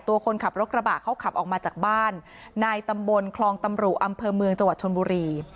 ตัวคนขับรถกระบะเขาขับออกมาจากบ้านในตำบลคลองตำรุอำเภอเมืองจังหวัดชนบุรี